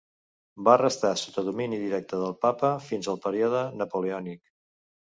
Va restar sota domini directe del Papa fins al període napoleònic.